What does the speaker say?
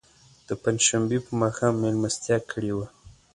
د پنج شنبې په ماښام میلمستیا کړې وه.